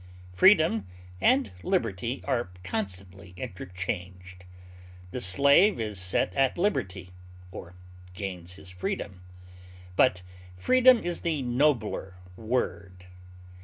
Freedom and liberty are constantly interchanged; the slave is set at liberty, or gains his freedom; but freedom is the nobler word.